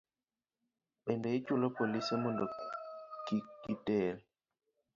Bende, ichulo polise mondo kik giter